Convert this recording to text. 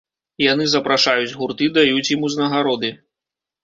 Яны запрашаюць гурты, даюць ім узнагароды.